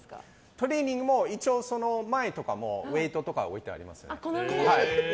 トレーニングも前とかにウェートとかも置いてあります。